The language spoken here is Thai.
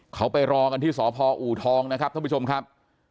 เขาไปรอกันที่สพอูทองนะครับท่านผู้ชมครับ